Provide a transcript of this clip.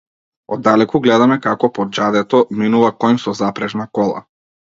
Оддалеку гледаме како по џадето минува коњ со запрежна кола.